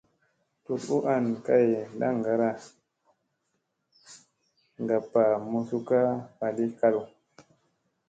Tut u an kay ndaŋgara ngappa muzukka ɓali kalu.